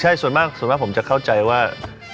ใช่ส่วนมากส่วนมากผมจะเข้าใจว่า